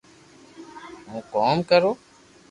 ھون ڪوم ڪرو